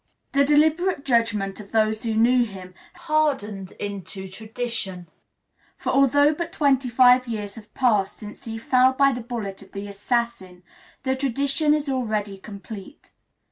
The deliberate judgment of those who knew him has hardened into tradition; for although but twenty five years have passed since he fell by the bullet of the assassin, the tradition is already complete.